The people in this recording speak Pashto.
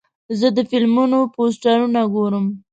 زه د فلمونو پوسټرونه ګورم.